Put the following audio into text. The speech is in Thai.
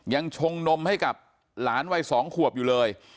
ชงนมให้กับหลานวัย๒ขวบอยู่เลย